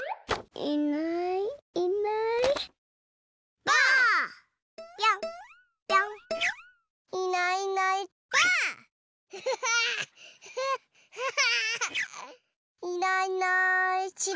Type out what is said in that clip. いないいないちら？